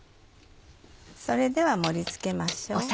それでは盛り付けましょう。